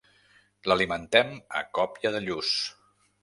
L'alimentem a còpia de lluç.